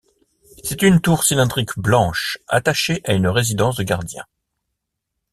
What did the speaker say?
C'est une tour cylindrique blanche attachée à une résidence de gardien.